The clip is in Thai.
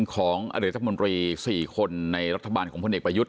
ของอเดิดธรรมรี๔คนในรัฐบาลของพนธประยุทธ์